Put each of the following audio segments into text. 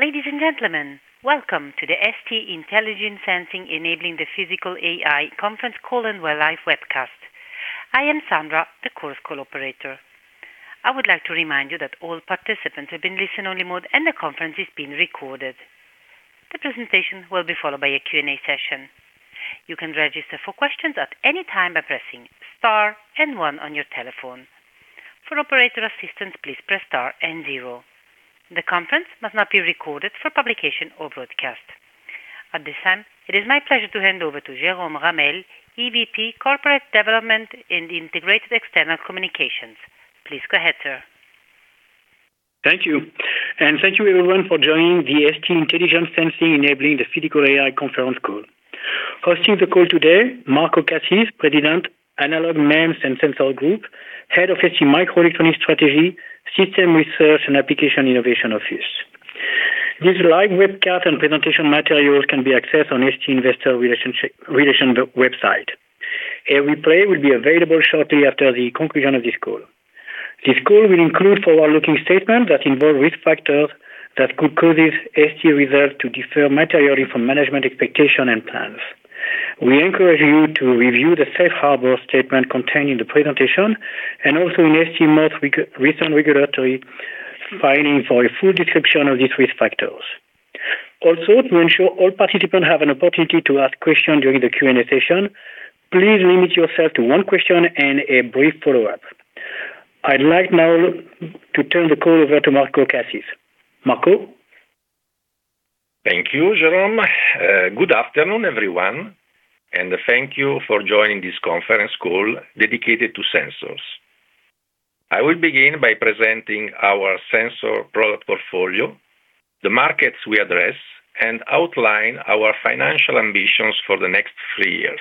Ladies and gentlemen, welcome to the ST Intelligent Sensing Enabling the Physical AI conference call and live webcast. I am Sandra, the Chorus Call operator. I would like to remind you that all participants have been placed in listen-only mode and the conference is being recorded. The presentation will be followed by a Q&A session. You can register for questions at any time by pressing star and one on your telephone. For operator assistance, please press star and zero. The conference must not be recorded for publication or broadcast. At this time, it is my pleasure to hand over to Jerome Ramel, EVP, Corporate Development and Integrated External Communication. Please go ahead, sir. Thank you. Thank you everyone for joining the ST Intelligent Sensing Enabling the Physical AI conference call. Hosting the call today, Marco Cassis, President, Analog, MEMS and Sensors Group, Head of STMicroelectronics Strategy, System Research and Applications, and Innovation Office. This live webcast and presentation materials can be accessed on ST Investor Relations website. A replay will be available shortly after the conclusion of this call. This call will include forward-looking statements that involve risk factors that could cause ST results to differ materially from management expectation and plans. We encourage you to review the safe harbor statement contained in the presentation and also in ST most recent regulatory filing for a full description of these risk factors. Also, to ensure all participants have an opportunity to ask questions during the Q&A session, please limit yourself to one question and a brief follow-up. I'd like now to turn the call over to Marco Cassis. Marco. Thank you, Jerome. Good afternoon, everyone, and thank you for joining this conference call dedicated to sensors. I will begin by presenting our sensor product portfolio, the markets we address, and outline our financial ambitions for the next three years.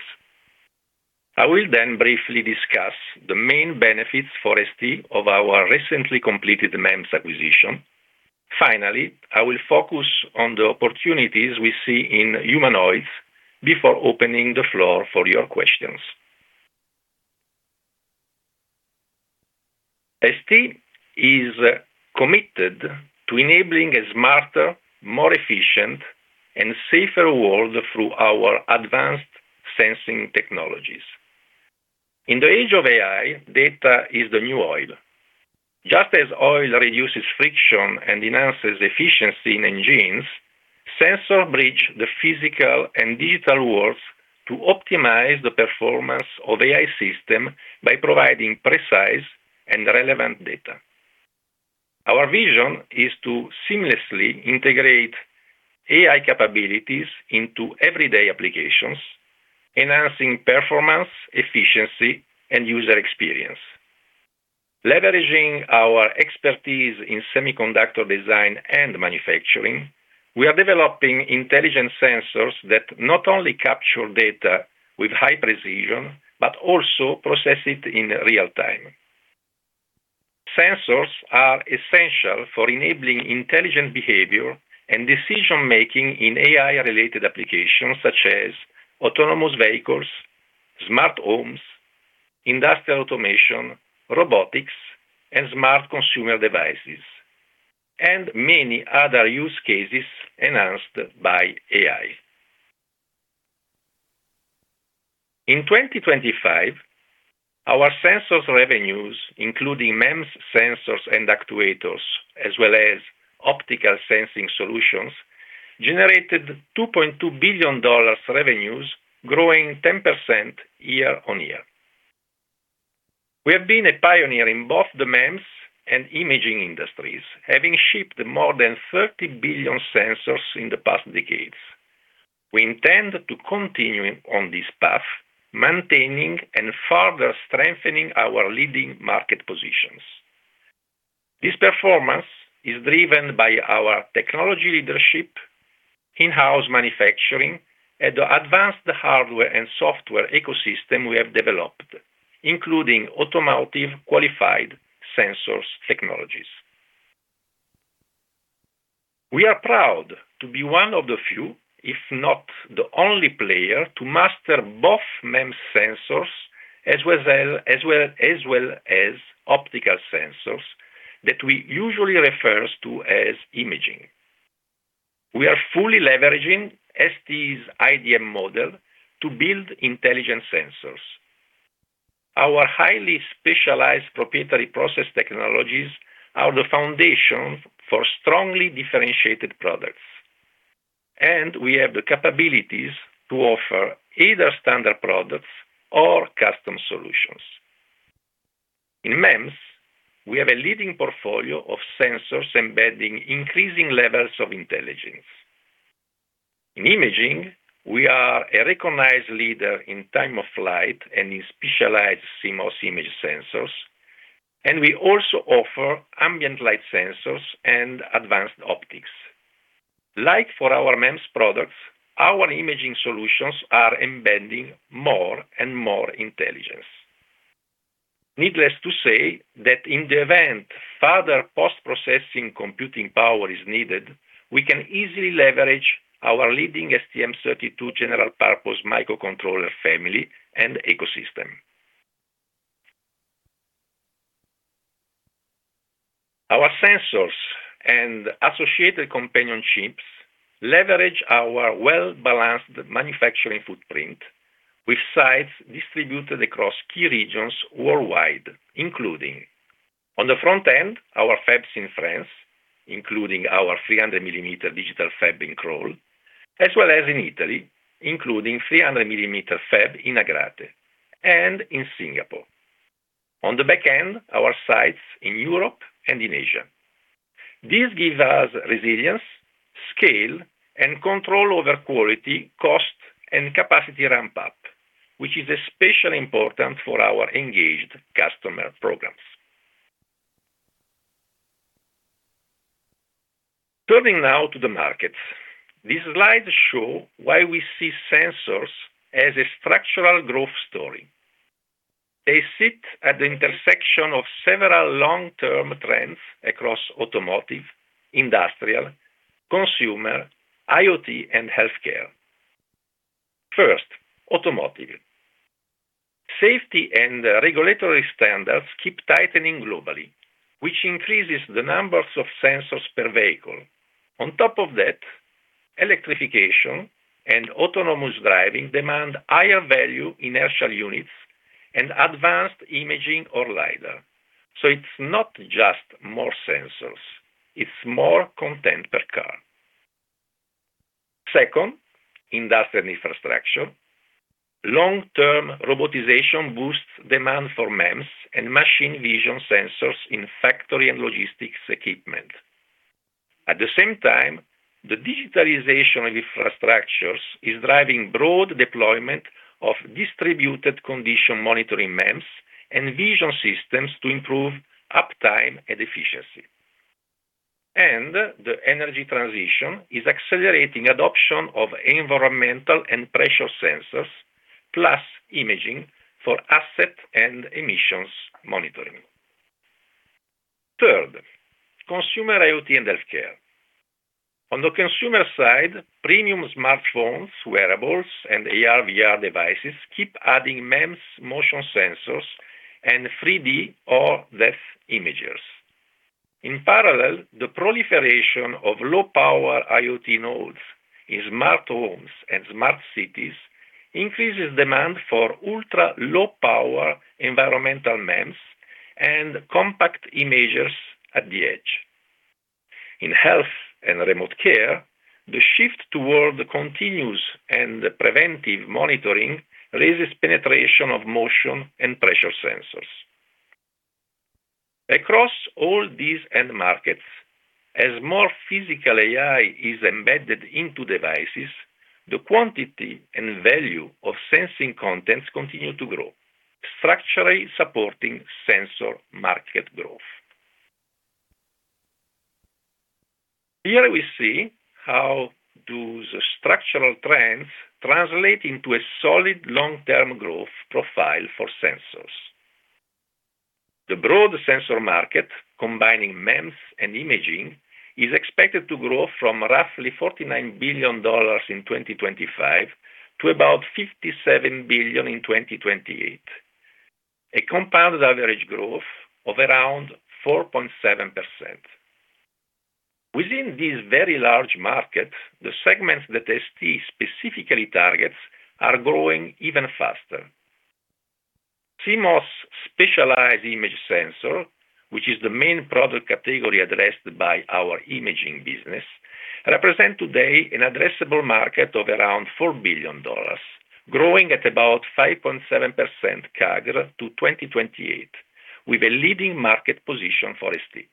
I will then briefly discuss the main benefits for ST of our recently completed MEMS acquisition. Finally, I will focus on the opportunities we see in humanoids before opening the floor for your questions. ST is committed to enabling a smarter, more efficient and safer world through our advanced sensing technologies. In the age of AI, data is the new oil. Just as oil reduces friction and enhances efficiency in engines, sensors bridge the physical and digital worlds to optimize the performance of AI systems by providing precise and relevant data. Our vision is to seamlessly integrate AI capabilities into everyday applications, enhancing performance, efficiency and user experience. Leveraging our expertise in semiconductor design and manufacturing, we are developing intelligent sensors that not only capture data with high precision, but also process it in real time. Sensors are essential for enabling intelligent behavior and decision-making in AI-related applications such as autonomous vehicles, smart homes, industrial automation, robotics, and smart consumer devices, and many other use cases enhanced by AI. In 2025, our sensors revenues, including MEMS sensors and actuators, as well as optical sensing solutions, generated $2.2 billion revenues, growing 10% year-over-year. We have been a pioneer in both the MEMS and imaging industries, having shipped more than 30 billion sensors in the past decades. We intend to continue on this path, maintaining and further strengthening our leading market positions. This performance is driven by our technology leadership, in-house manufacturing, and the advanced hardware and software ecosystem we have developed, including automotive qualified sensors technologies. We are proud to be one of the few, if not the only player, to master both MEMS sensors as well as optical sensors that we usually refers to as imaging. We are fully leveraging ST's IDM model to build intelligent sensors. Our highly specialized proprietary process technologies are the foundation for strongly differentiated products, and we have the capabilities to offer either standard products or custom solutions. In MEMS, we have a leading portfolio of sensors embedding increasing levels of intelligence. In imaging, we are a recognized leader in time-of-flight and in specialized CMOS image sensors, and we also offer ambient light sensors and advanced optics. Like for our MEMS products, our imaging solutions are embedding more and more intelligence. Needless to say that in the event further post-processing computing power is needed, we can easily leverage our leading STM32 general purpose microcontroller family and ecosystem. Our sensors and associated companion chips leverage our well-balanced manufacturing footprint with sites distributed across key regions worldwide, including on the front end, our fabs in France, including our 300-millimeter digital fab in Crolles, as well as in Italy, including 300-millimeter fab in Agrate and in Singapore. On the back end, our sites in Europe and in Asia. This gives us resilience, scale, and control over quality, cost, and capacity ramp up, which is especially important for our engaged customer programs. Turning now to the markets. These slides show why we see sensors as a structural growth story. They sit at the intersection of several long-term trends across automotive, industrial, consumer, IoT, and healthcare. First, automotive. Safety and regulatory standards keep tightening globally, which increases the numbers of sensors per vehicle. On top of that, electrification and autonomous driving demand higher value inertial units and advanced imaging or lidar. It's not just more sensors, it's more content per car. Second, industrial infrastructure. Long-term robotization boosts demand for MEMS and machine vision sensors in factory and logistics equipment. At the same time, the digitalization of infrastructures is driving broad deployment of distributed condition monitoring MEMS and vision systems to improve uptime and efficiency. The energy transition is accelerating adoption of environmental and pressure sensors, plus imaging for asset and emissions monitoring. Third, consumer IoT and healthcare. On the consumer side, premium smartphones, wearables, and AR/VR devices keep adding MEMS motion sensors and 3D or depth imagers. In parallel, the proliferation of low-power IoT nodes in smart homes and smart cities increases demand for ultra-low power environmental MEMS and compact imagers at the edge. In health and remote care, the shift toward continuous and preventive monitoring raises penetration of motion and pressure sensors. Across all these end markets, as more physical AI is embedded into devices, the quantity and value of sensing contents continue to grow, structurally supporting sensor market growth. Here we see how those structural trends translate into a solid long-term growth profile for sensors. The broad sensor market, combining MEMS and imaging, is expected to grow from roughly $49 billion in 2025 to about $57 billion in 2028, a compounded average growth of around 4.7%. Within this very large market, the segments that ST specifically targets are growing even faster. CMOS specialized image sensor, which is the main product category addressed by our imaging business, represents today an addressable market of around $4 billion, growing at about 5.7% CAGR to 2028, with a leading market position for ST.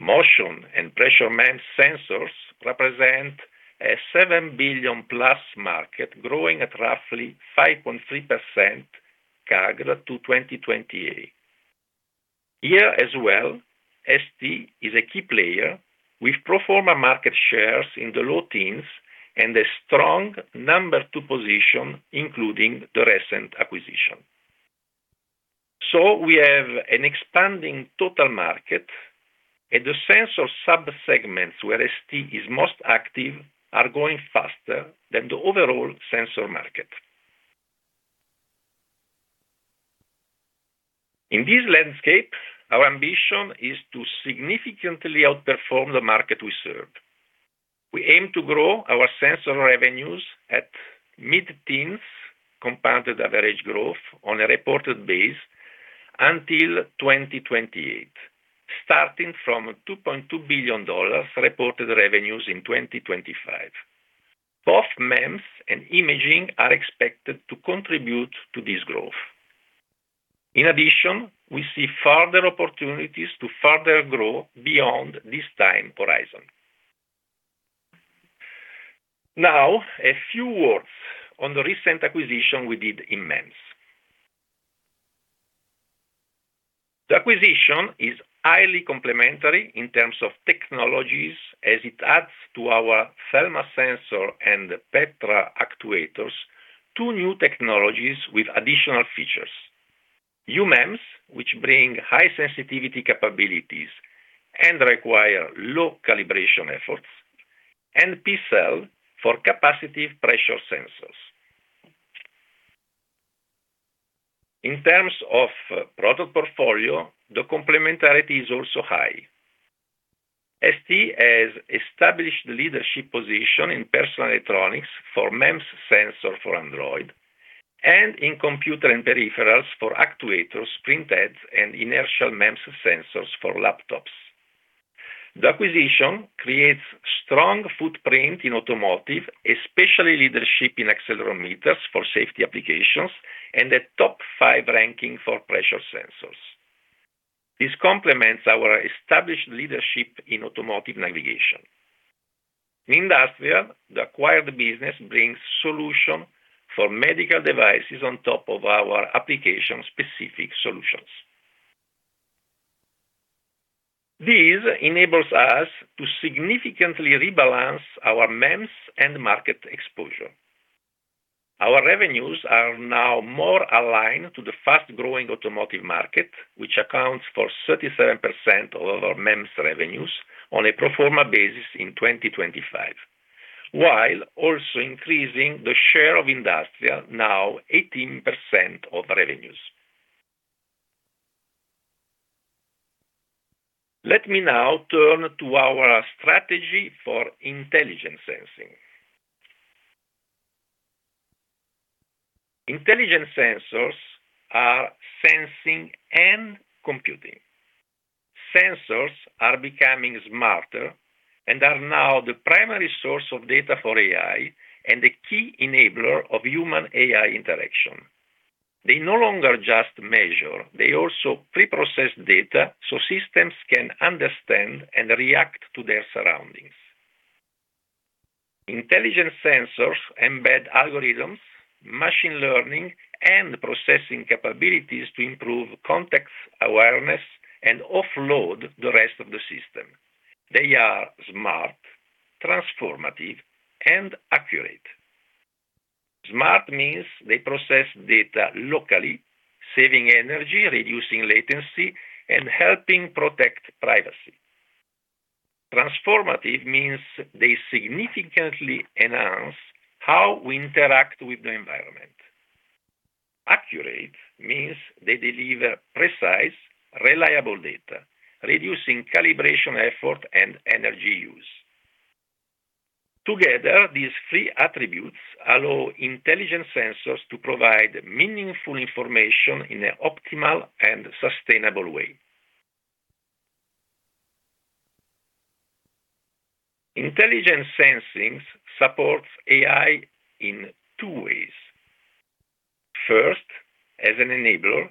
Motion and pressure MEMS sensors represent a $7 billion+ market growing at roughly 5.3% CAGR to 2028. Here as well, ST is a key player with pro forma market shares in the low teens and a strong number two position, including the recent acquisition. We have an expanding total market, and the sensor sub-segments where ST is most active are growing faster than the overall sensor market. In this landscape, our ambition is to significantly outperform the market we serve. We aim to grow our sensor revenues at mid-teens compounded average growth on a reported base until 2028, starting from $2.2 billion reported revenues in 2025. Both MEMS and imaging are expected to contribute to this growth. In addition, we see further opportunities to further grow beyond this time horizon. Now, a few words on the recent acquisition we did in MEMS. The acquisition is highly complementary in terms of technologies as it adds to our ThELMA sensor and PETRA actuators, two new technologies with additional features. UMems, which bring high sensitivity capabilities and require low calibration efforts. PCell for capacitive pressure sensors. In terms of product portfolio, the complementarity is also high. ST has established leadership position in personal electronics for MEMS sensor for Android, and in computer and peripherals for actuators, printheads, and inertial MEMS sensors for laptops. The acquisition creates strong footprint in automotive, especially leadership in accelerometers for safety applications, and a top five ranking for pressure sensors. This complements our established leadership in automotive navigation. In industrial, the acquired business brings solution for medical devices on top of our application-specific solutions. This enables us to significantly rebalance our MEMS and market exposure. Our revenues are now more aligned to the fast-growing automotive market, which accounts for 37% of our MEMS revenues on a pro forma basis in 2025, while also increasing the share of industrial, now 18% of revenues. Let me now turn to our strategy for intelligent sensing. Intelligent sensors are sensing and computing. Sensors are becoming smarter and are now the primary source of data for AI and the key enabler of human AI interaction. They no longer just measure, they also pre-process data so systems can understand and react to their surroundings. Intelligent sensors embed algorithms, machine learning, and processing capabilities to improve context awareness and offload the rest of the system. They are smart, transformative, and accurate. Smart means they process data locally, saving energy, reducing latency, and helping protect privacy. Transformative means they significantly enhance how we interact with the environment. Accurate means they deliver precise, reliable data, reducing calibration effort and energy use. Together, these three attributes allow intelligent sensors to provide meaningful information in an optimal and sustainable way. Intelligent sensing supports AI in two ways. First, as an enabler,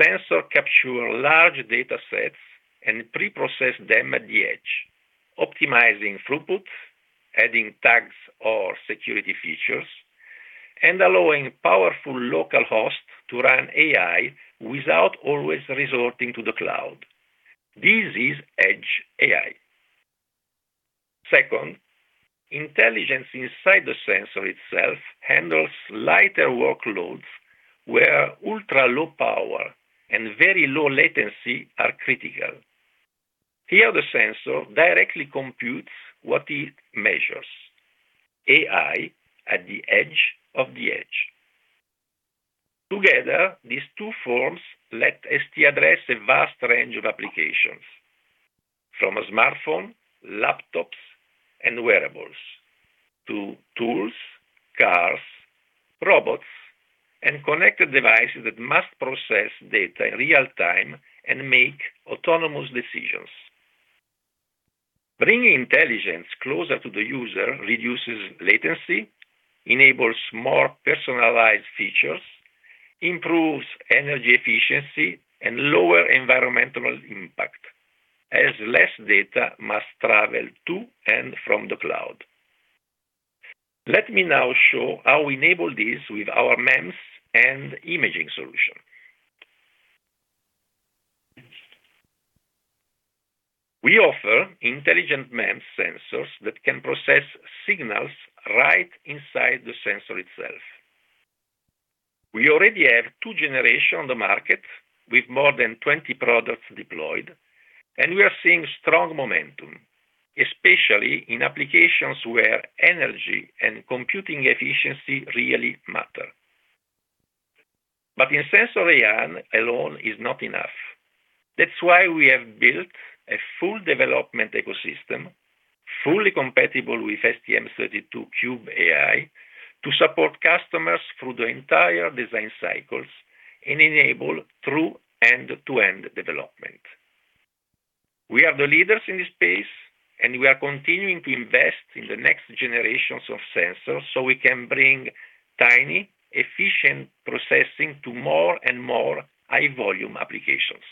sensors capture large data sets and pre-process them at the edge, optimizing throughput, adding tags or security features, and allowing powerful local host to run AI without always resorting to the cloud. This is edge AI. Second, intelligence inside the sensor itself handles lighter workloads where ultra-low power and very low latency are critical. Here, the sensor directly computes what it measures, AI at the edge of the edge. Together, these two forms let ST address a vast range of applications. From a smartphone, laptops and wearables to tools, cars, robots, and connected devices that must process data in real time and make autonomous decisions. Bringing intelligence closer to the user reduces latency, enables more personalized features, improves energy efficiency, and lower environmental impact, as less data must travel to and from the cloud. Let me now show how we enable this with our MEMS and imaging solution. We offer intelligent MEMS sensors that can process signals right inside the sensor itself. We already have two generations on the market with more than 20 products deployed, and we are seeing strong momentum, especially in applications where energy and computing efficiency really matter. In sensor AI alone is not enough. That's why we have built a full development ecosystem, fully compatible with STM32Cube.AI, to support customers through the entire design cycle and enable through end-to-end development. We are the leaders in this space, and we are continuing to invest in the next generations of sensors, so we can bring tiny, efficient processing to more and more high volume applications.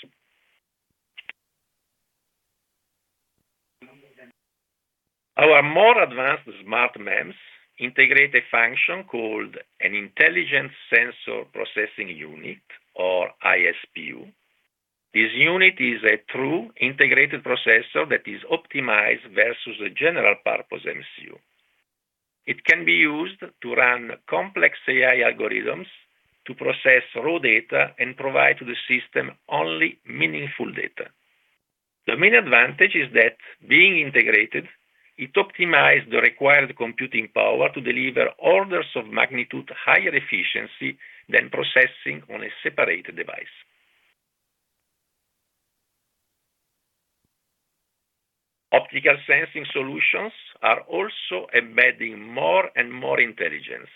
Our more advanced smart MEMS integrate a function called an intelligent sensor processing unit or ISPU. This unit is a true integrated processor that is optimized versus a general purpose MCU. It can be used to run complex AI algorithms to process raw data and provide to the system only meaningful data. The main advantage is that being integrated, it optimizes the required computing power to deliver orders of magnitude higher efficiency than processing on a separate device. Optical sensing solutions are also embedding more and more intelligence.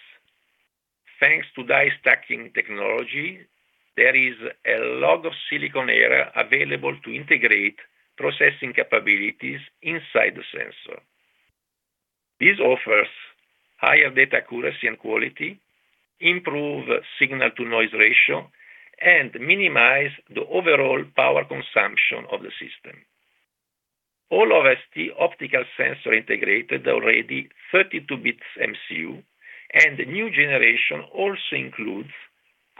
Thanks to die-stacking technology, there is a lot of silicon area available to integrate processing capabilities inside the sensor. This offers higher data accuracy and quality, improves signal-to-noise ratio, and minimizes the overall power consumption of the system. All of ST optical sensors already integrate 32-bit MCUs, and the new generation also includes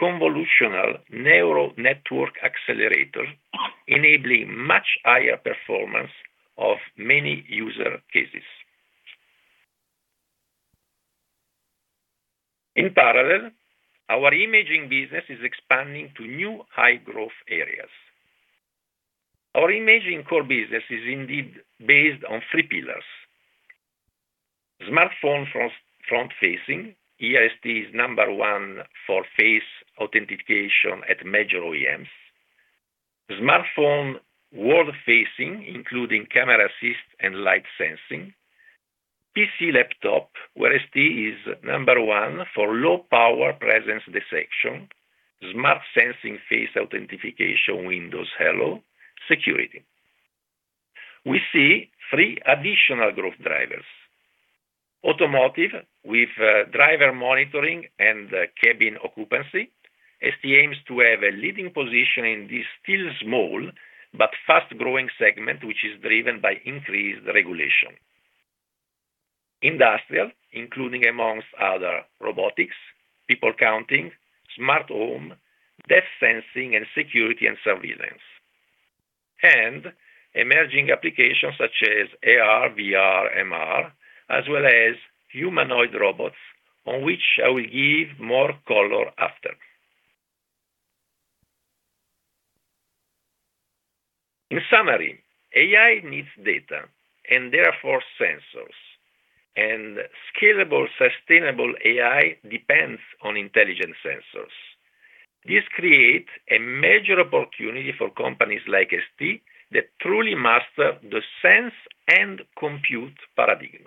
convolutional neural network accelerator, enabling much higher performance in many use cases. In parallel, our imaging business is expanding to new high-growth areas. Our imaging core business is indeed based on three pillars. Smartphone front-facing. ST is number one for face authentication at major OEMs. Smartphone world-facing, including camera assist and light sensing. PC laptop, where ST is number one for low power presence detection, smart sensing face authentication, Windows Hello, security. We see three additional growth drivers. Automotive, with driver monitoring and cabin occupancy. ST aims to have a leading position in this still small but fast-growing segment, which is driven by increased regulation. Industrial, including among other, robotics, people counting, smart home, depth sensing, and security and surveillance. Emerging applications such as AR, VR, MR, as well as humanoid robots, on which I will give more color after. In summary, AI needs data and therefore sensors. Scalable, sustainable AI depends on intelligent sensors. This create a major opportunity for companies like ST that truly master the sense and compute paradigm.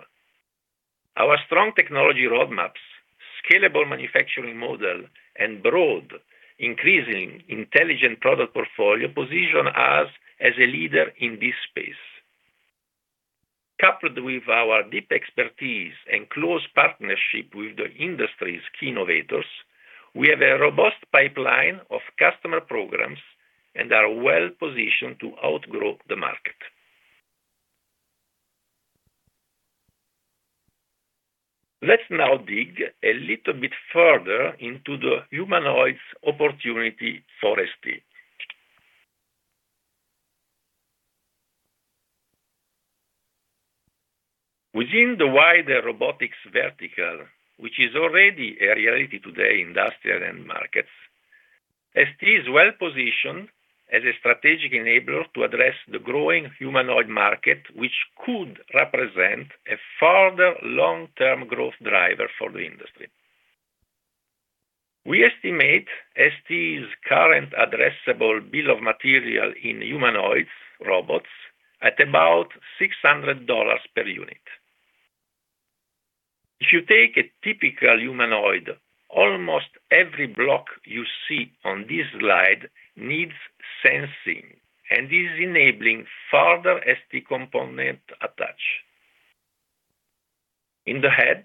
Our strong technology roadmaps, scalable manufacturing model, and broad increasing intelligent product portfolio position us as a leader in this space. Coupled with our deep expertise and close partnership with the industry's key innovators, we have a robust pipeline of customer programs and are well-positioned to outgrow the market. Let's now dig a little bit further into the humanoids opportunity for ST. Within the wider robotics vertical, which is already a reality today, industrial end markets, ST is well-positioned as a strategic enabler to address the growing humanoid market, which could represent a further long-term growth driver for the industry. We estimate ST's current addressable bill of material in humanoid robots at about $600 per unit. If you take a typical humanoid, almost every block you see on this slide needs sensing and is enabling further ST component attach. In the head,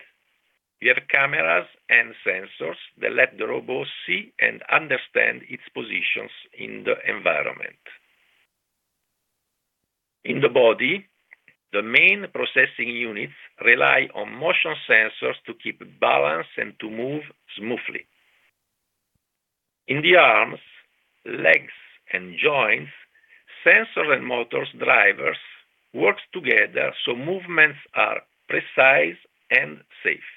we have cameras and sensors that let the robot see and understand its positions in the environment. In the body, the main processing units rely on motion sensors to keep balance and to move smoothly. In the arms, legs, and joints, sensors and motor drivers work together, so movements are precise and safe.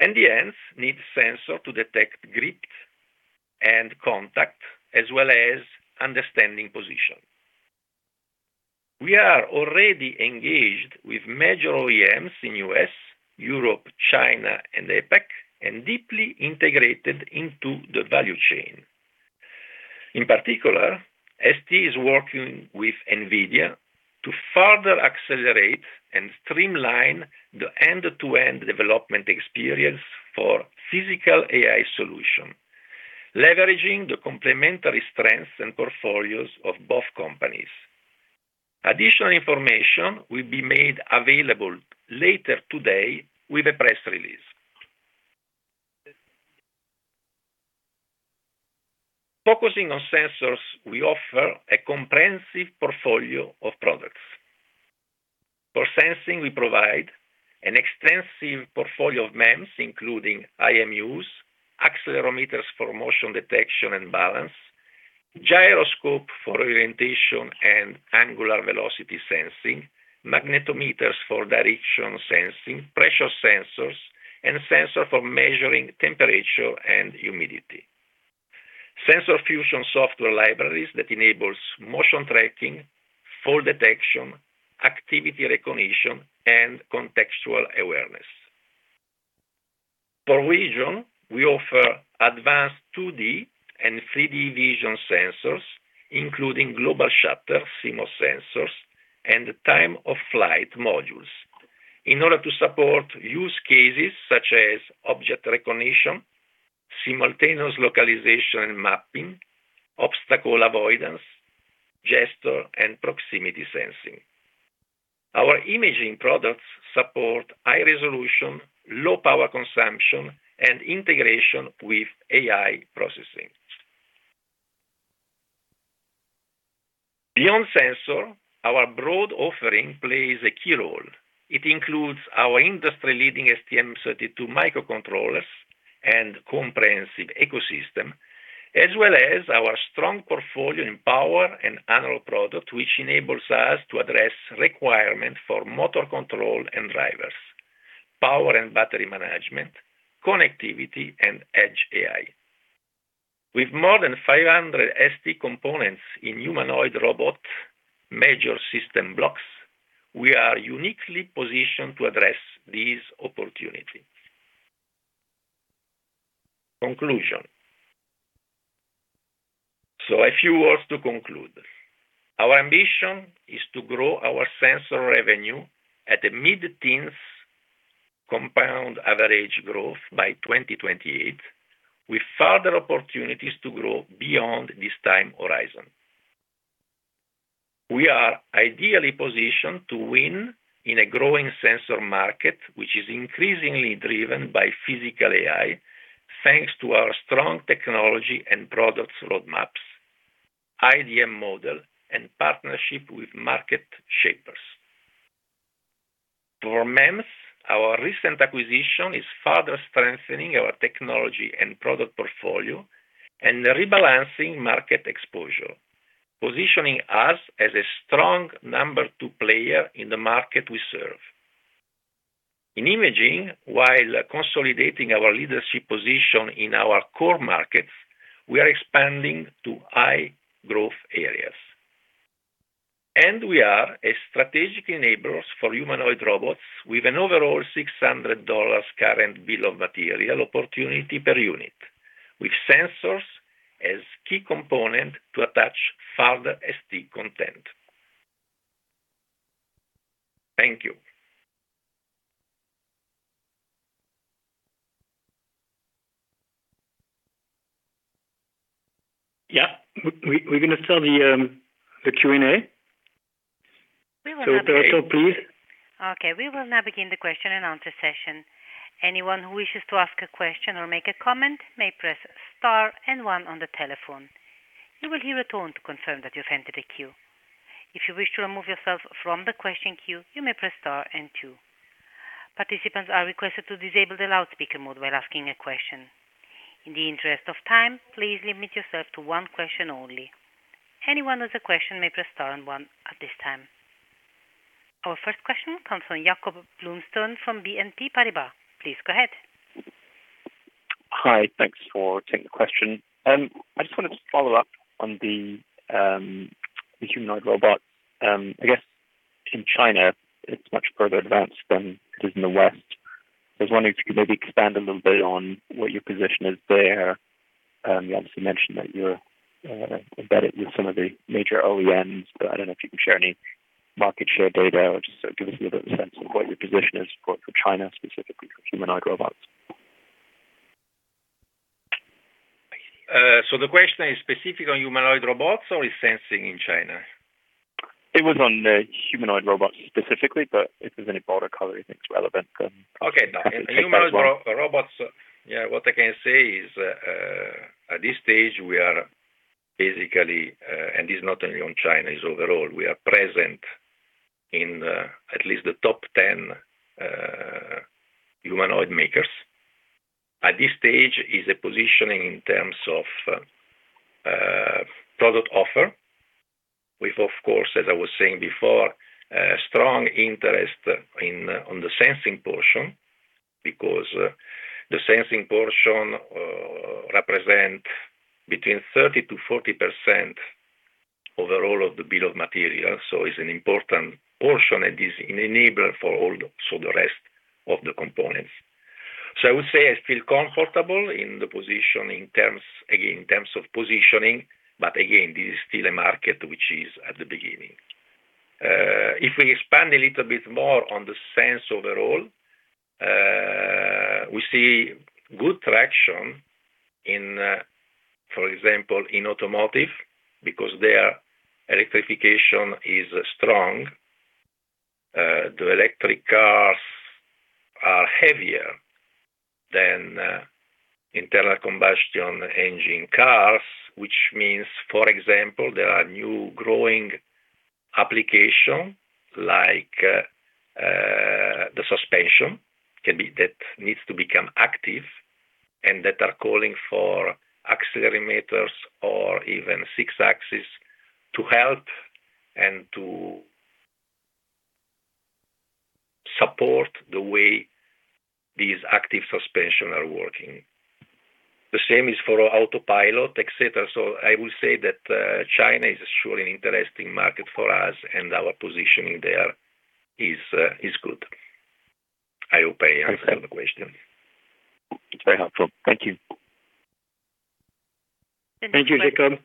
The hands need sensors to detect grip and contact, as well as understanding position. We are already engaged with major OEMs in U.S., Europe, China, and APAC, and deeply integrated into the value chain. In particular, ST is working with NVIDIA to further accelerate and streamline the end-to-end development experience for physical AI solution, leveraging the complementary strengths and portfolios of both companies. Additional information will be made available later today with a press release. Focusing on sensors, we offer a comprehensive portfolio of products. For sensing, we provide an extensive portfolio of MEMS, including IMUs, accelerometers for motion detection and balance. Gyroscopes for orientation and angular velocity sensing, magnetometers for direction sensing, pressure sensors, and sensors for measuring temperature and humidity. Sensor fusion software libraries that enables motion tracking, fall detection, activity recognition, and contextual awareness. For vision, we offer advanced 2D and 3D vision sensors, including global shutter CMOS sensors and time-of-flight modules in order to support use cases such as object recognition, simultaneous localization and mapping, obstacle avoidance, gesture, and proximity sensing. Our imaging products support high resolution, low power consumption, and integration with AI processing. Beyond sensors, our broad offering plays a key role. It includes our industry-leading STM32 microcontrollers and comprehensive ecosystem, as well as our strong portfolio in power and analog product, which enables us to address requirements for motor control and drivers, power and battery management, connectivity, and edge AI. With more than 500 ST components in humanoid robot major system blocks, we are uniquely positioned to address these opportunities. Conclusion. A few words to conclude. Our ambition is to grow our sensor revenue at the mid-teens compound average growth by 2028, with further opportunities to grow beyond this time horizon. We are ideally positioned to win in a growing sensor market, which is increasingly driven by physical AI, thanks to our strong technology and products roadmaps, IDM model, and partnership with market shapers. For MEMS, our recent acquisition is further strengthening our technology and product portfolio and rebalancing market exposure, positioning us as a strong number two player in the market we serve. In imaging, while consolidating our leadership position in our core markets, we are expanding to high growth areas. We are a strategic enablers for humanoid robots with an overall $600 current bill of material opportunity per unit, with sensors as key component to attach further ST content. Thank you. Yeah. We're gonna start the Q&A. We will now begin. Operator, please. Okay. We will now begin the question and answer session. Anyone who wishes to ask a question or make a comment may press star and one on the telephone. You will hear a tone to confirm that you've entered a queue. If you wish to remove yourself from the question queue, you may press star and two. Participants are requested to disable the loudspeaker mode while asking a question. In the interest of time, please limit yourself to one question only. Anyone with a question may press star and one at this time. Our first question comes from Jakob Bluestone from BNP Paribas. Please go ahead. Hi. Thanks for taking the question. I just wanted to follow up on the humanoid robot. I guess in China it's much further advanced than it is in the West. I was wondering if you could maybe expand a little bit on what your position is there. You obviously mentioned that you're embedded with some of the major OEMs, but I don't know if you can share any market share data or just give us a little bit of a sense of what your position is for China, specifically for humanoid robots. Is the question specific to humanoid robots or sensing in China? It was on the humanoid robots specifically, but if there's any broader color you think is relevant, then. Okay. Happy to take that as well. In humanoid robots, yeah, what I can say is, at this stage, we are basically, and this is not only in China, it's overall, we are present in, at least the top 10, humanoid makers. At this stage is a positioning in terms of, product offer with, of course, as I was saying before, a strong interest in, on the sensing portion because, the sensing portion, represent between 30%-40% overall of the bill of material. So it's an important portion, and it is an enabler for all, so the rest of the components. So I would say I feel comfortable in the position in terms, again, in terms of positioning, but again, this is still a market which is at the beginning. If we expand a little bit more on the sense overall, we see good traction in, for example, in automotive because their electrification is strong. The electric cars are heavier than internal combustion engine cars, which means, for example, there are new growing applications like the suspension and that are calling for accelerometers or even six-axis to help and to support the way these active suspension are working. The same is for autopilot, etc. I will say that China is surely an interesting market for us and our positioning there is good. I hope I answered the question. It's very helpful. Thank you. Thank you, Jakob.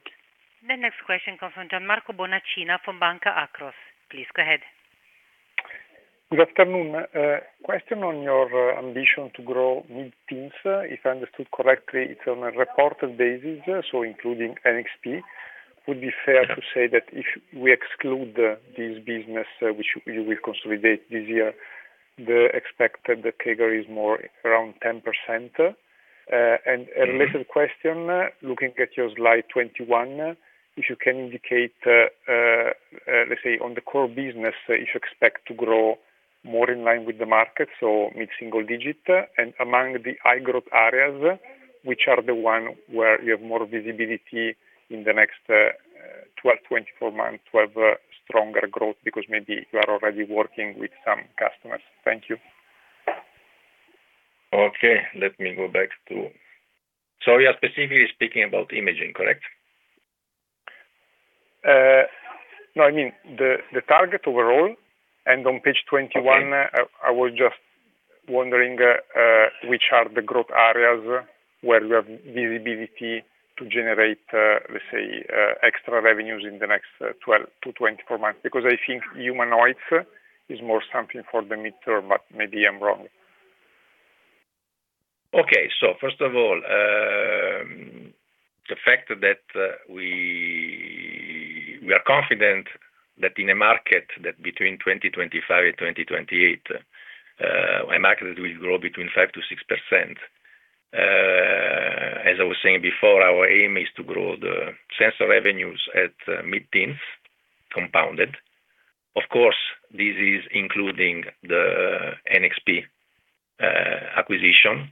The next question comes from Gianmarco Bonacina from Banca Akros. Please go ahead. Good afternoon. Question on your ambition to grow mid-teens. If I understood correctly, it's on a reported basis, so including NXP. Would it be fair to say that if we exclude these business which you will consolidate this year, the expected CAGR is more around 10%? And related question, looking at your slide 21, if you can indicate, let's say on the core business, if you expect to grow more in line with the market, so mid-single-digit. Among the high-growth areas, which are the one where you have more visibility in the next 12, 24 months to have stronger growth because maybe you are already working with some customers. Thank you. You are specifically speaking about imaging, correct? No, I mean, the target overall, and on page 21, I was just wondering which are the growth areas where you have visibility to generate, let's say, extra revenues in the next 12-24 months, because I think humanoids is more something for the mid-term, but maybe I'm wrong. Okay. First of all, the fact that we are confident that in a market that between 2025 and 2028, a market will grow between 5%-6%. As I was saying before, our aim is to grow the sensor revenues at mid-teens compounded. Of course, this is including the NXP acquisition.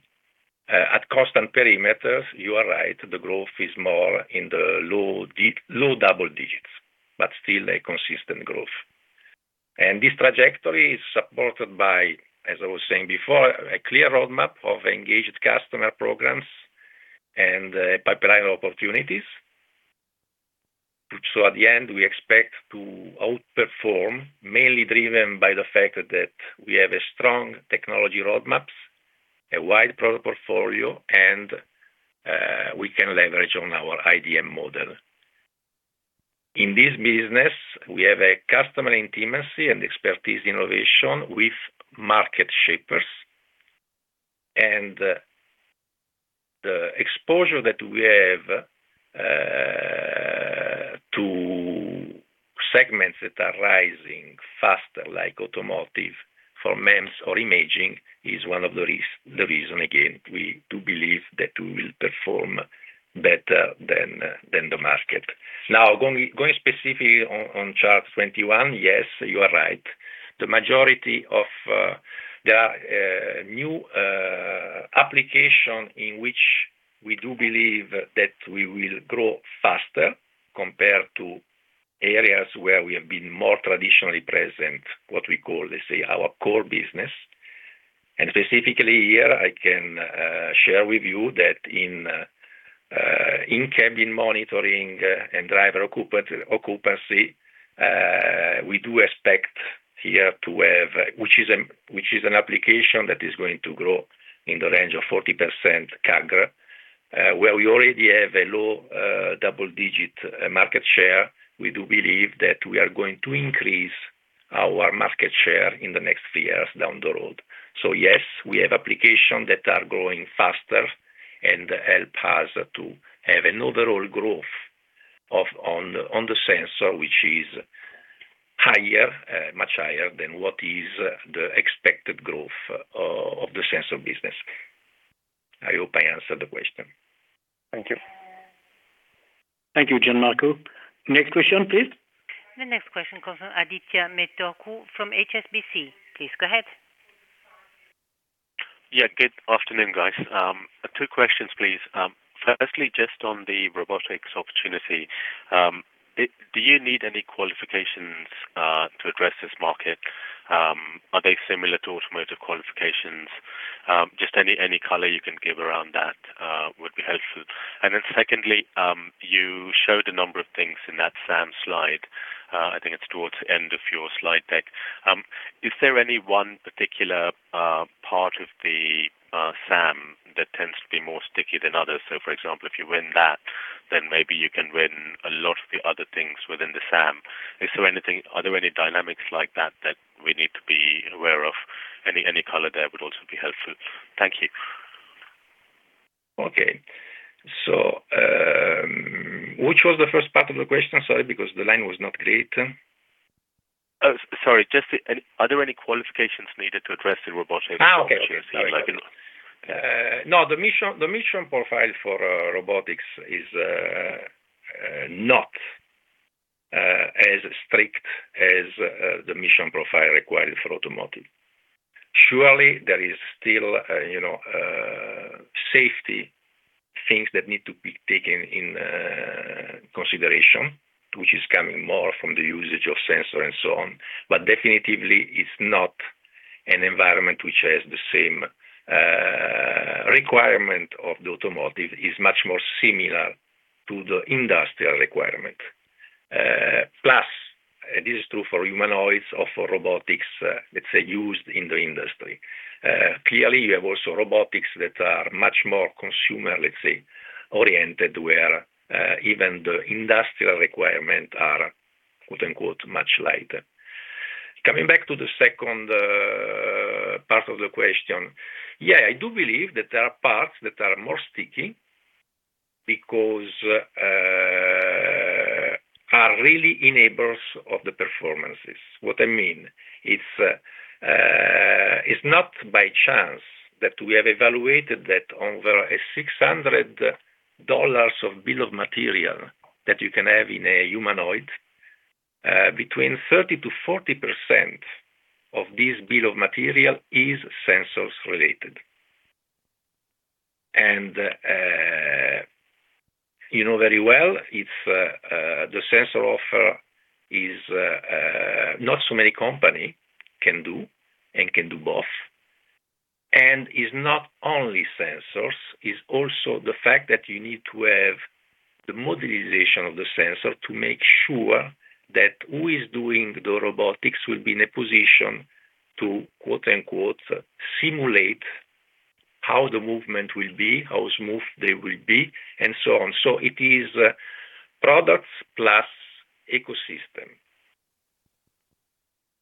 At constant perimeters, you are right, the growth is more in the low double digits, but still a consistent growth. This trajectory is supported by, as I was saying before, a clear roadmap of engaged customer programs and a pipeline of opportunities. At the end, we expect to outperform, mainly driven by the fact that we have a strong technology roadmaps, a wide product portfolio, and we can leverage on our IDM model. In this business, we have a customer intimacy and expertise in innovation with market shapers. The exposure that we have to segments that are rising faster, like automotive for MEMS or imaging, is one of the reasons, again, we do believe that we will perform better than the market. Now, going specific on chart 21, yes, you are right. The majority of. There are new applications in which we do believe that we will grow faster compared to areas where we have been more traditionally present, what we call, let's say, our core business. Specifically here, I can share with you that in cabin monitoring and driver occupancy, we do expect here to have, which is an application that is going to grow in the range of 40% CAGR. Where we already have a low double-digit market share, we do believe that we are going to increase our market share in the next few years down the road. Yes, we have applications that are growing faster and help us to have an overall growth of on the sensor which is higher, much higher than what is the expected growth of the sensor business. I hope I answered the question. Thank you. Thank you, Gianmarco. Next question, please. The next question comes from Adithya Metuku from HSBC. Please go ahead. Yeah. Good afternoon, guys. Two questions, please. Firstly, just on the robotics opportunity, do you need any qualifications to address this market? Are they similar to automotive qualifications? Just any color you can give around that would be helpful. Then secondly, you showed a number of things in that SAM slide. I think it's towards end of your slide deck. Is there any one particular part of the SAM that tends to be more sticky than others? For example, if you win that, then maybe you can win a lot of the other things within the SAM. Are there any dynamics like that that we need to be aware of? Any color there would also be helpful. Thank you. Okay. Which was the first part of the question? Sorry, because the line was not great. Oh, sorry. Just, are there any qualifications needed to address the robotic solution? Okay. Sorry about that. No, the mission profile for robotics is not as strict as the mission profile required for automotive. Surely there is still safety things that need to be taken into consideration, which is coming more from the usage of sensor and so on. Definitely it's not an environment which has the same requirement of the automotive. It's much more similar to the industrial requirement. Plus, and this is true for humanoids or for robotics, let's say, used in the industry. Clearly, you have also robotics that are much more consumer, let's say, oriented, where even the industrial requirement are quote-unquote, "much lighter." Coming back to the second part of the question. Yeah, I do believe that there are parts that are more sticky because are really enablers of the performances. What I mean, it's not by chance that we have evaluated that over $600 of bill of material that you can have in a humanoid, between 30%-40% of this bill of material is sensors related. You know very well it's the sensor offer is not so many company can do and can do both. It's not only sensors, it's also the fact that you need to have the modularization of the sensor to make sure that who is doing the robotics will be in a position to quote-unquote, "simulate" how the movement will be, how smooth they will be, and so on. It is products plus ecosystem.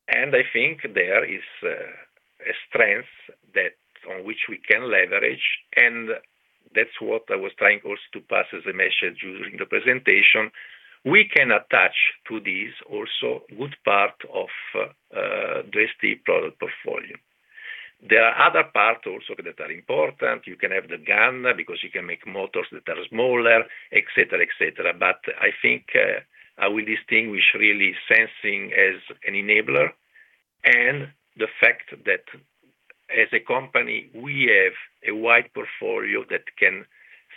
I think there is a strength on which we can leverage, and that's what I was trying also to pass as a message during the presentation. We can attach to this also good part of ST product portfolio. There are other parts also that are important. You can have the GaN because you can make motors that are smaller, et cetera. I think I will distinguish really sensing as an enabler and the fact that as a company, we have a wide portfolio that can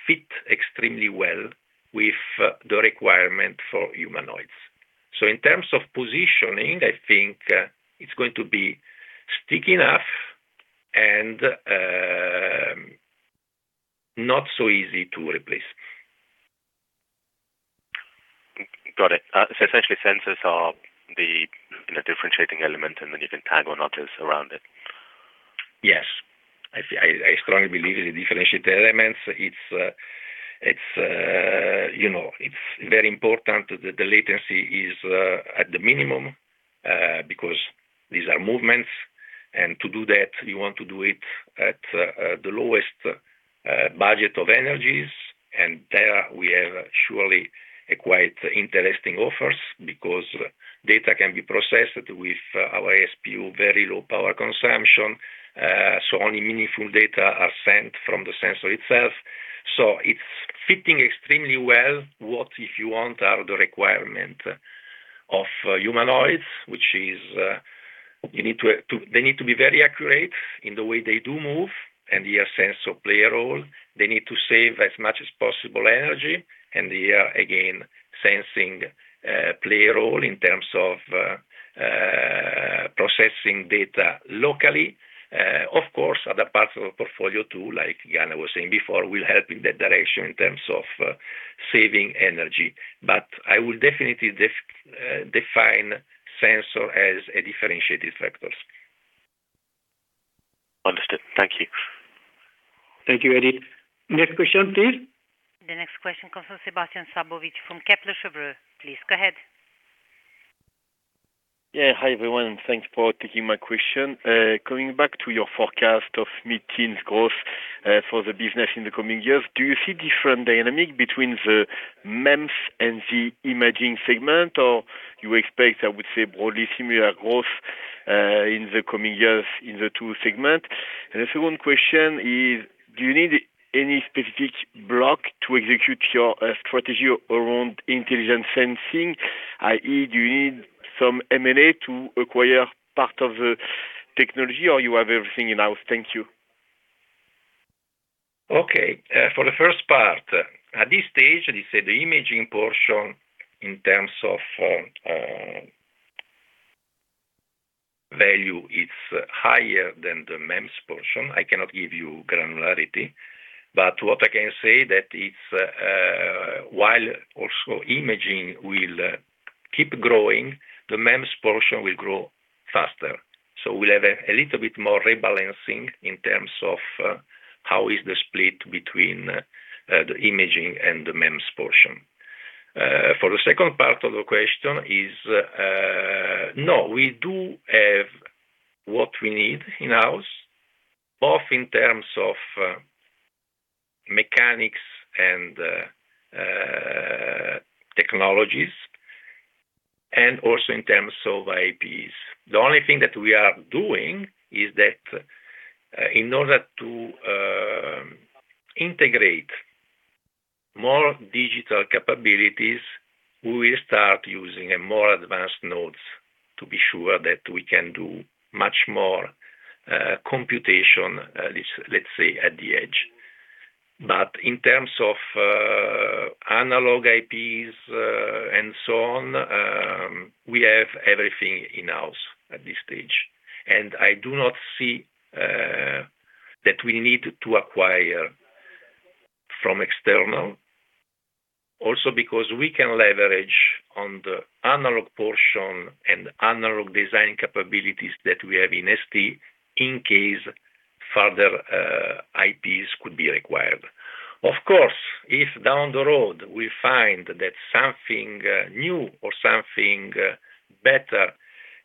fit extremely well with the requirement for humanoids. In terms of positioning, I think it's going to be sticky enough and not so easy to replace. Got it. Essentially sensors are the differentiating element, and then you can stack or not just around it. Yes. I strongly believe in the differentiated elements. It's very important that the latency is at the minimum because these are movements. To do that, you want to do it at the lowest budget of energies. There we have surely a quite interesting offer because data can be processed with our ISPU, very low power consumption, so only meaningful data are sent from the sensor itself. It's fitting extremely well what if you want are the requirement of humanoids, which is, they need to be very accurate in the way they do move, and here sensors play a role. They need to save as much as possible energy, and here again, sensing plays a role in terms of processing data locally. Of course, other parts of the portfolio too, like Yann was saying before, will help in that direction in terms of saving energy. I would definitely define sensor as a differentiated factors. Understood. Thank you. Thank you, Adi. Next question, please. The next question comes from Sébastien Sztabowicz from Kepler Cheuvreux. Please go ahead. Yeah. Hi, everyone, and thanks for taking my question. Coming back to your forecast of mid-teens growth for the business in the coming years, do you see different dynamic between the MEMS and the imaging segment, or you expect, I would say, broadly similar growth in the coming years in the two segment? The second question is, do you need any specific block to execute your strategy around intelligent sensing? i.e., do you need some M&A to acquire part of the technology or you have everything in-house? Thank you. Okay. For the first part, at this stage, let's say the imaging portion in terms of value is higher than the MEMS portion. I cannot give you granularity. What I can say is that while imaging will keep growing, the MEMS portion will grow faster. We'll have a little bit more rebalancing in terms of how the split is between the imaging and the MEMS portion. For the second part of the question, no, we do have what we need in-house, both in terms of mechanics and technologies, and also in terms of IPs. The only thing that we are doing is in order to integrate more digital capabilities, we will start using more advanced nodes to be sure that we can do much more computation, let's say, at the edge. In terms of analog IPs and so on, we have everything in-house at this stage, and I do not see that we need to acquire from external. Also because we can leverage on the analog portion and analog design capabilities that we have in ST in case further IPs could be required. Of course, if down the road we find that something new or something better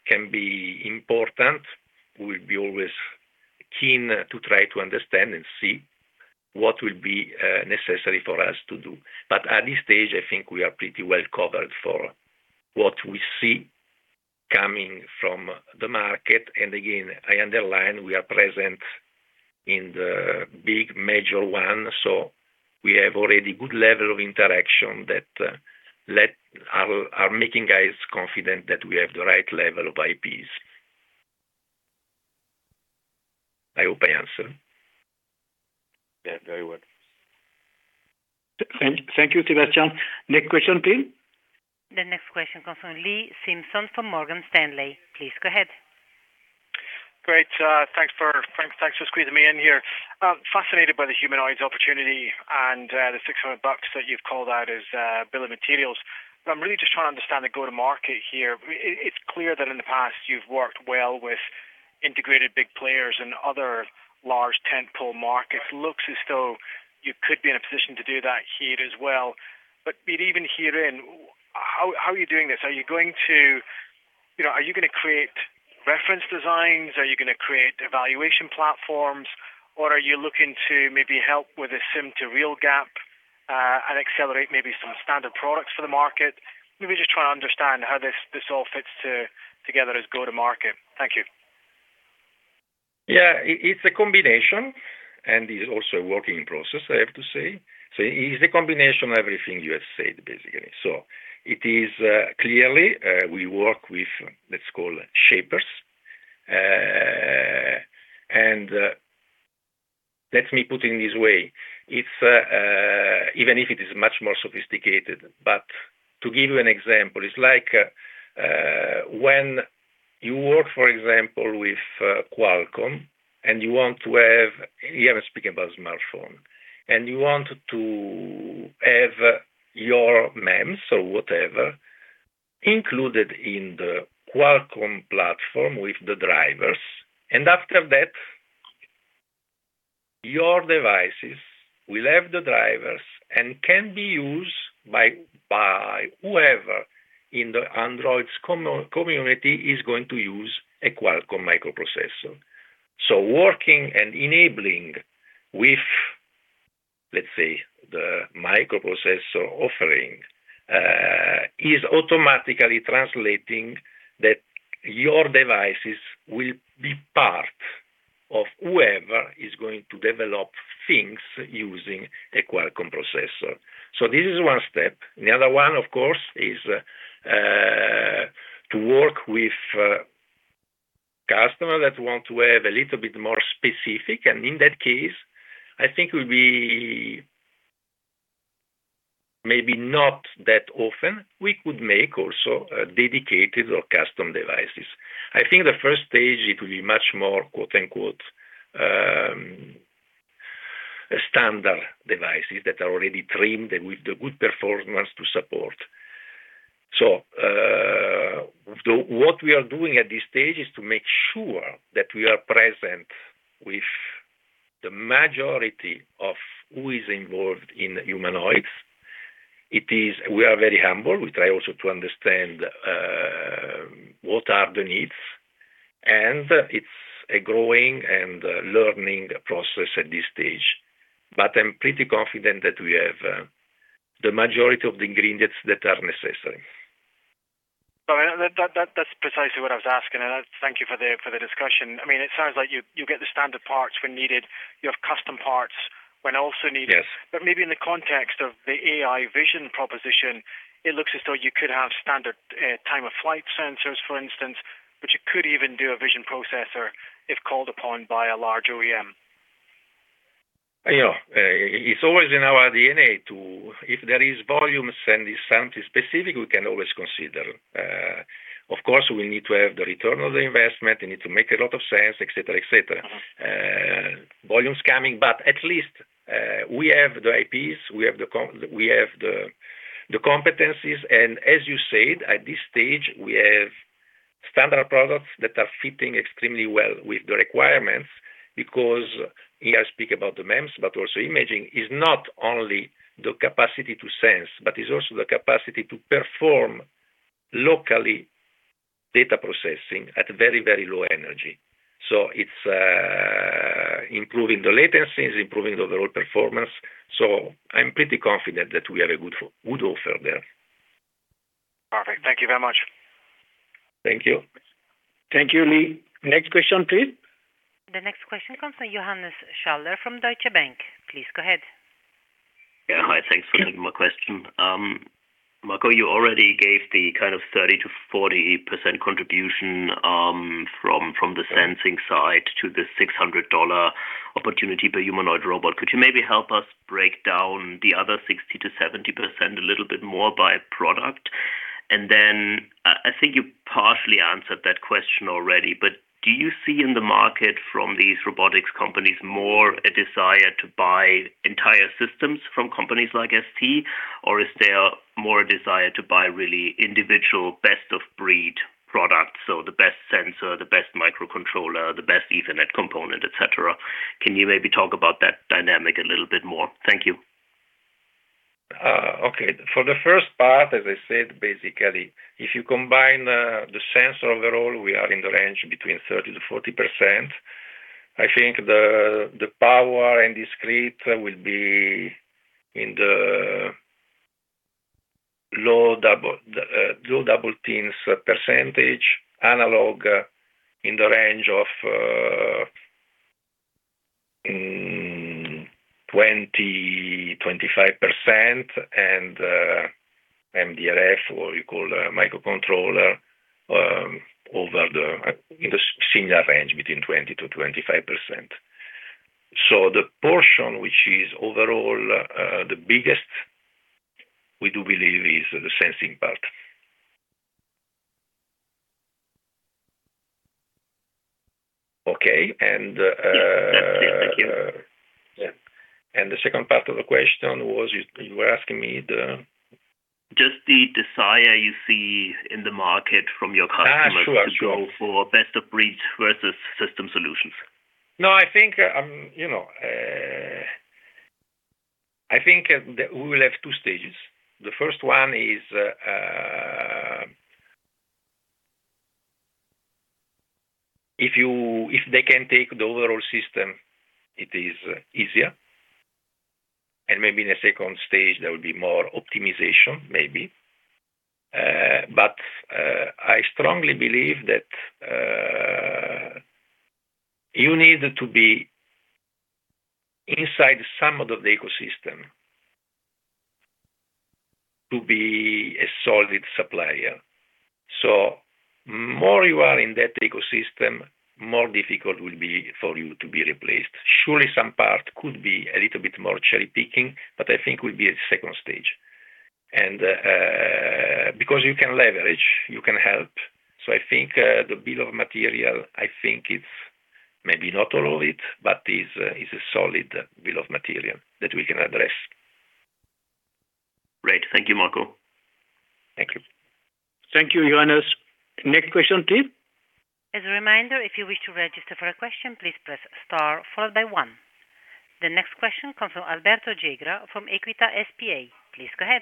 can be important, we'll be always keen to try to understand and see what will be necessary for us to do. At this stage, I think we are pretty well covered for what we see coming from the market. Again, I underline we are present in the big major one, so we have already good level of interaction that let... Are making us confident that we have the right level of IPs. I hope I answered. Yeah, very well. Thank you, Sébastien. Next question, please. The next question comes from Lee Simpson from Morgan Stanley. Please go ahead. Great. Thanks for squeezing me in here. I'm fascinated by the humanoids opportunity and the $600 that you've called out as bill of materials. I'm really just trying to understand the go-to-market here. It's clear that in the past you've worked well with integrated big players and other large tentpole markets. Looks as though you could be in a position to do that here as well. Even herein, how are you doing this? Are you going to, are you gonna create reference designs? Are you gonna create evaluation platforms, or are you looking to maybe help with a sim-to-real gap and accelerate maybe some standard products for the market? I'm just trying to understand how this all fits together as go-to-market. Thank you. Yeah. It's a combination, and it is also a working process, I have to say. It's a combination of everything you have said, basically. It is clearly we work with, let's call shapers, and let me put it in this way. It's even if it is much more sophisticated, but to give you an example, it's like when you work, for example, with Qualcomm and you want to have. Here I'm speaking about smartphone. You want to have your MEMS or whatever included in the Qualcomm platform with the drivers. After that, your devices will have the drivers and can be used by whoever in the Android's community is going to use a Qualcomm microprocessor. Working and enabling with, let's say, the microprocessor offering, is automatically translating that your devices will be part of whoever is going to develop things using a Qualcomm processor. This is one step. The other one, of course, is to work with customer that want to have a little bit more specific, and in that case, I think it will be maybe not that often we could make also dedicated or custom devices. I think the first stage it will be much more, quote-unquote, "standard devices" that are already trimmed and with the good performance to support. What we are doing at this stage is to make sure that we are present with the majority of who is involved in humanoids. It is. We are very humble. We try also to understand what are the needs, and it's a growing and learning process at this stage. I'm pretty confident that we have the majority of the ingredients that are necessary. That's precisely what I was asking, and thank you for the discussion. I mean, it sounds like you get the standard parts when needed. You have custom parts when also needed. Yes. Maybe in the context of the AI vision proposition, it looks as though you could have standard, time of flight sensors, for instance, but you could even do a vision processor if called upon by a large OEM. It's always in our DNA. If there is volume and it's something specific, we can always consider. Of course, we need to have the return on the investment. It need to make a lot of sense, et cetera. Volumes coming, but at least we have the IPs, we have the competencies, and as you said, at this stage, we have standard products that are fitting extremely well with the requirements because here I speak about the MEMS, but also imaging is not only the capacity to sense, but is also the capacity to perform locally data processing at very, very low energy. It's improving the latencies, improving the overall performance. I'm pretty confident that we have a good offer there. Thank you very much. Thank you. Thank you, Lee. Next question, please. The next question comes from Johannes Schaller from Deutsche Bank. Please go ahead. Yeah. Hi. Thanks for taking my question. Marco, you already gave the 30%-40% contribution from the sensing side to the $600 opportunity per humanoid robot. Could you maybe help us break down the other 60%-70% a little bit more by product? Then I think you partially answered that question already, but do you see in the market from these robotics companies more a desire to buy entire systems from companies like ST, or is there more a desire to buy really individual best of breed products, so the best sensor, the best microcontroller, the best Ethernet component, et cetera? Can you maybe talk about that dynamic a little bit more? Thank you. For the first part, as I said, basically, if you combine the sensor overall, we are in the range between 30%-40%. I think the power and discrete will be in the low double teens percentage. Analog in the range of 20%-25%. MDG, what you call a microcontroller, in the similar range between 20%-25%. The portion which is overall the biggest, we do believe is the sensing part. Yeah. That's clear. Thank you. Yeah. The second part of the question was, you were asking me the Just the desire you see in the market from your customers. Sure. To go for best of breed versus system solutions. No, I think that we will have two stages. The first one is, if they can take the overall system, it is easier. Maybe in the second stage, there will be more optimization, maybe. But, I strongly believe that, you need to be inside some of the ecosystem to be a solid supplier. So more you are in that ecosystem, more difficult will be for you to be replaced. Surely, some part could be a little bit more cherry-picking, but I think would be a second stage. Because you can leverage, you can help. So I think, the bill of material, I think it's maybe not all of it, but is a solid bill of material that we can address. Great. Thank you, Marco. Thank you. Thank you, Johannes. Next question, please. As a reminder, if you wish to register for a question, please press star followed by one. The next question comes from Alberto Gegra from Equita SpA. Please go ahead.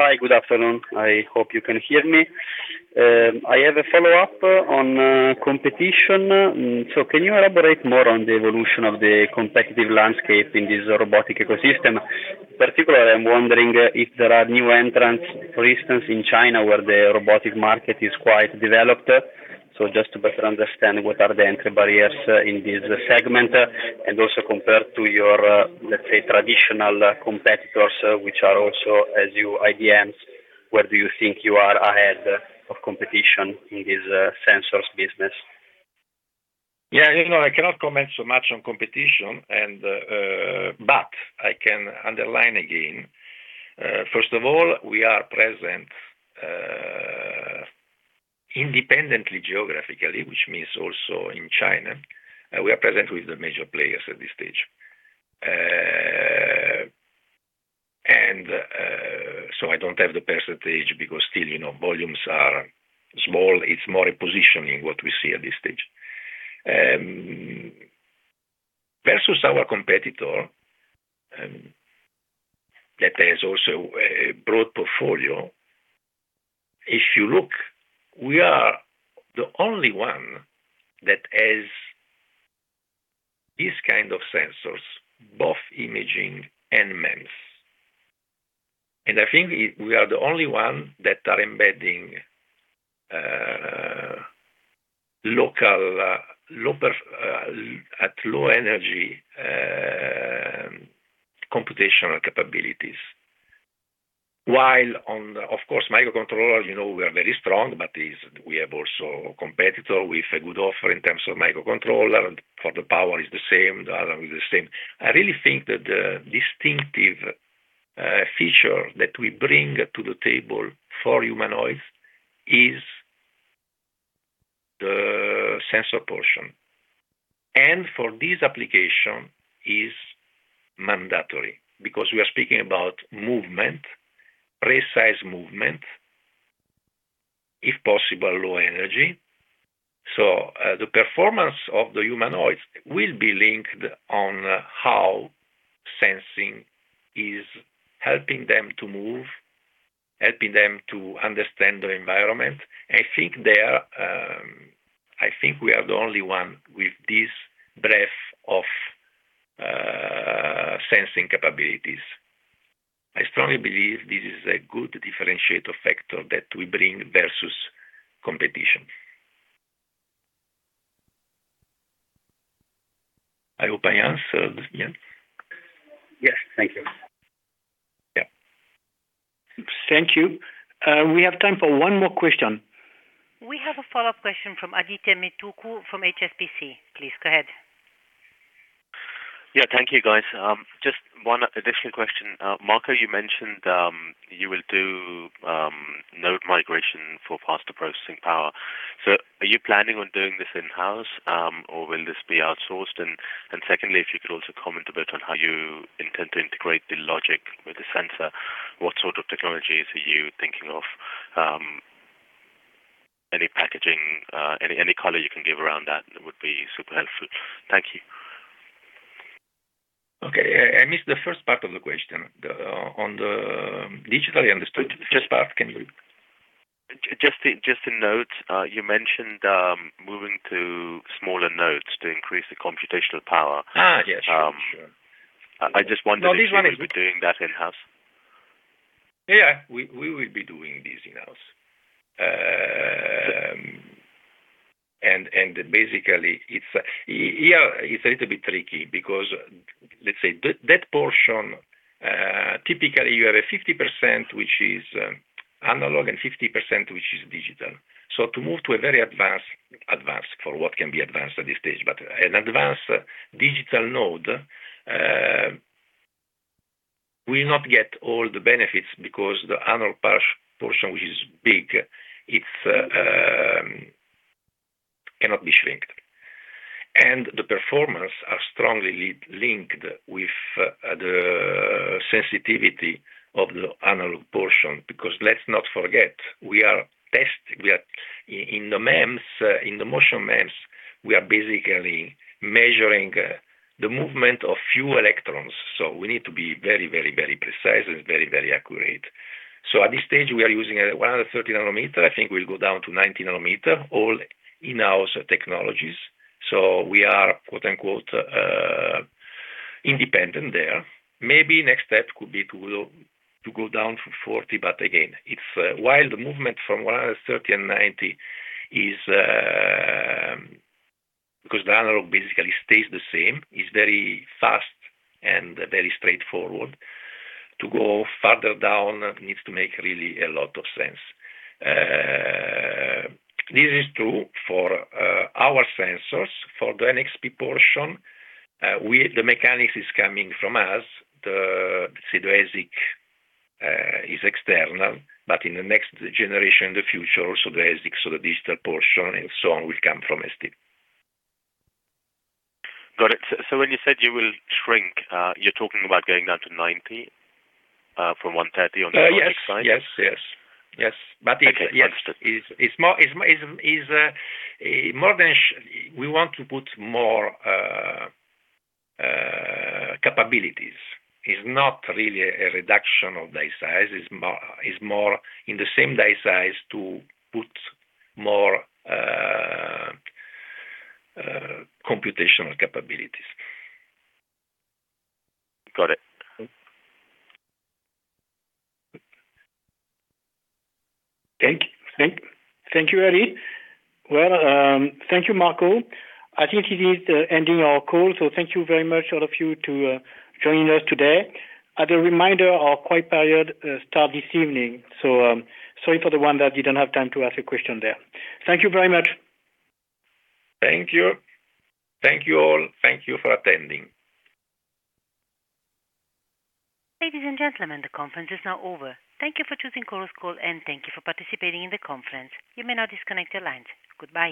Hi, good afternoon. I hope you can hear me. I have a follow-up on competition. Can you elaborate more on the evolution of the competitive landscape in this robotic ecosystem? Particularly, I'm wondering if there are new entrants, for instance, in China, where the robotic market is quite developed. Just to better understand what are the entry barriers in this segment, and also compared to your, let's say, traditional competitors, which are also as you IDMs, where do you think you are ahead of competition in this sensors business? Yeah. I cannot comment so much on competition and. I can underline again. First of all, we are present independently geographically, which means also in China. We are present with the major players at this stage. I don't have the percentage because still volumes are small. It's more a positioning what we see at this stage. Versus our competitor that has also a broad portfolio. If you look, we are the only one that has this kind of sensors, both imaging and MEMS. I think we are the only one that are embedding local low power at low energy computational capabilities. While, of course, microcontroller, we are very strong, but we have also competitor with a good offer in terms of microcontroller. For the power is the same, the other is the same. I really think that the distinctive feature that we bring to the table for humanoids is the sensor portion. For this application is mandatory because we are speaking about movement, precise movement, if possible, low energy. The performance of the humanoids will be linked on how sensing is helping them to move, helping them to understand the environment. I think we are the only one with this breadth of sensing capabilities. I strongly believe this is a good differentiator factor that we bring versus competition. I hope I answered. Yeah. Yes. Thank you. Yeah. Thank you. We have time for one more question. We have a follow-up question from Adithya Metuku from HSBC. Please go ahead. Yeah. Thank you, guys. Just one additional question. Marco, you mentioned you will do node migration for faster processing power. Are you planning on doing this in-house, or will this be outsourced? And secondly, if you could also comment a bit on how you intend to integrate the logic with the sensor, what sort of technologies are you thinking of? Any packaging, any color you can give around that would be super helpful. Thank you. Okay. I missed the first part of the question. On the Digital, I understood. First part, can you- Just the nodes. You mentioned moving to smaller nodes to increase the computational power. Yes. Sure. I just wondered. No, this one is. If you will be doing that in-house. Yeah. We will be doing this in-house. It's a little bit tricky because, let's say that portion, typically you have a 50% which is analog and 50% which is digital. To move to a very advanced, for what can be advanced at this stage, but an advanced digital node, will not get all the benefits because the analog portion, which is big, cannot be shrunk. The performance are strongly linked with the sensitivity of the analog portion. Because let's not forget, we are in the MEMS, in the motion MEMS, we are basically measuring the movement of few electrons, so we need to be very precise and very accurate. At this stage, we are using a 130 nanometer. I think we'll go down to 90 nanometer, all in-house technologies. We are quote unquote independent there. Maybe next step could be to go down from 40, but again while the movement from 130 and 90 is 'cause the analog basically stays the same, is very fast and very straightforward. To go further down needs to make really a lot of sense. This is true for our sensors. For the NXP portion, the mechanics is coming from us. The ASIC is external, but in the next generation, the future, also the ASIC, so the digital portion and so on, will come from ST. Got it. When you said you will shrink, you're talking about going down to 90 from 130 on the logic side? Yes. Okay. Understood. Yes. It's more. We want to put more capabilities. It's not really a reduction of die size. It's more in the same die size to put more computational capabilities. Got it. Okay. Thank you, Adi. Well, thank you, Marco. I think this is the end of our call, so thank you very much all of you for joining us today. As a reminder, our quiet period starts this evening, so sorry for the ones that didn't have time to ask a question there. Thank you very much. Thank you. Thank you all. Thank you for attending. Ladies and gentlemen, the conference is now over. Thank you for choosing Chorus Call, and thank you for participating in the conference. You may now disconnect your lines. Goodbye.